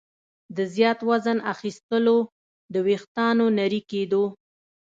د زیات وزن اخیستلو، د ویښتانو نري کېدو